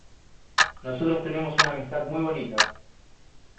nosotros tenemos una amistad muy bonita